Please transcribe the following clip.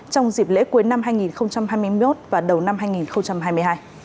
trong dịp lễ cuối năm hai nghìn hai mươi một và đầu năm hai nghìn hai mươi hai